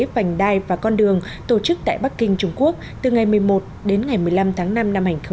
vành đai và con đường tổ chức tại bắc kinh trung quốc từ ngày một mươi một đến ngày một mươi năm tháng năm năm hai nghìn hai mươi